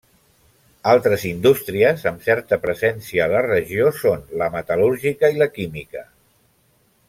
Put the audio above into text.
Altres indústries amb certa presència a la regió són la metal·lúrgica i la química.